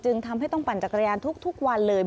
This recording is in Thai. ทำให้ต้องปั่นจักรยานทุกวันเลย